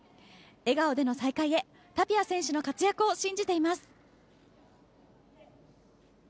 笑顔での再会へタピア選手の活躍を信じています。